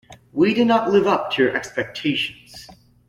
We did not live up to your expectations.